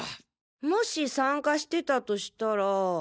もし参加してたとしたら。